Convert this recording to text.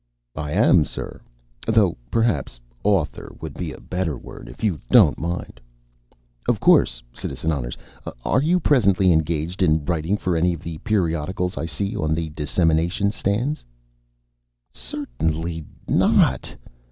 "I am, sir. Though perhaps 'author' would be a better word, if you don't mind." "Of course. Citizen Honners, are you presently engaged in writing for any of the periodicals I see on the dissemination stands?" "Certainly not!